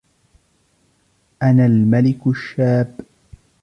أَنَا الْمَلِكُ الشَّابُّ